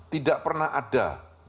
tidak pernah ada